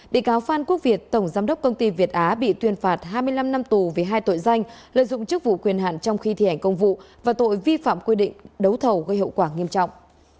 bị cáo phan quốc việt tổng giám đốc công ty việt á bị tuyên phạt hai mươi năm năm tù vì hai tội danh lợi dụng chức vụ quyền hạn trong khi thi hành công vụ và tội vi phạm quy định đấu thầu gây hậu quả nghiêm trọng